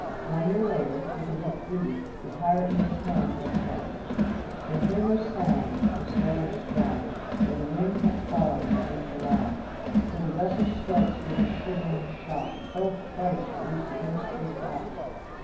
One year later, with a rich booty, the pirate nears home once more, "They hear no sound, the swell is strong; Though the wind hath fallen they drift along, Till the vessel strikes with a shivering shock, 'Oh, Christ! it is the Inchcape Rock!